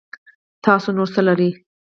تاسو نور څه لرئ